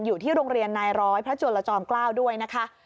อยู่ที่โรงเรียนนายร้อยพระจุลจอมเกล้าด้วยนะคะ